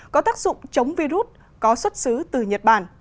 có tác dụng chống virus có xuất xứ từ nhật bản